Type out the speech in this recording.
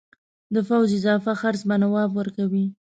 د پوځ اضافه خرڅ به نواب ورکوي.